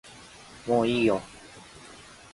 もういいよ